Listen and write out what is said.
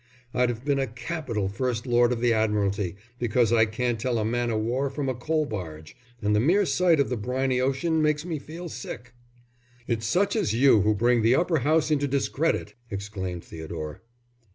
I'd have been a capital First Lord of the Admiralty, because I can't tell a man o' war from a coal barge, and the mere sight of the briny ocean makes me feel sick." "It's such as you who bring the Upper House into discredit," exclaimed Theodore.